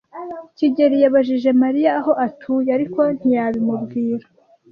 kigeli yabajije Mariya aho atuye, ariko ntiyabimubwira.